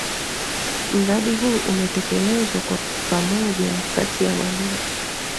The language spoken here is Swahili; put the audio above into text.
Mradi huu umetekelezwa kwa pamoja kati ya walimu.